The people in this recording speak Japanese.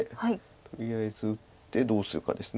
とりあえず打ってどうするかです。